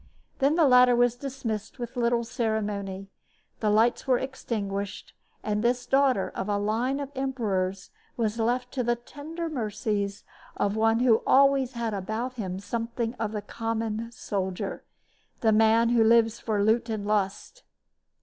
Then the latter was dismissed with little ceremony, the lights were extinguished, and this daughter of a line of emperors was left to the tender mercies of one who always had about him something of the common soldier the man who lives for loot and lust....